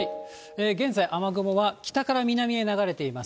現在、雨雲は北から南へ流れています。